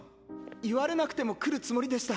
言われなくても来るつもりでした！